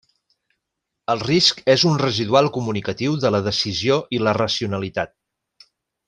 El risc és un residual comunicatiu de la decisió i la racionalitat.